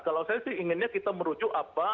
kalau saya sih inginnya kita merujuk apa